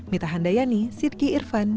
mitahan dayani siti irfan